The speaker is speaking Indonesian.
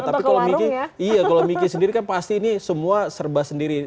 tapi kalau miki sendiri kan pasti ini semua serba sendiri